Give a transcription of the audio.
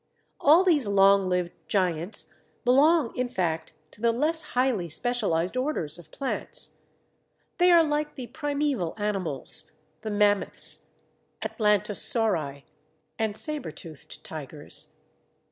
All these long lived giants belong in fact to the less highly specialized orders of plants. They are like the primeval animals, the Mammoths, Atlantosauri, and Sabretoothed Tigers.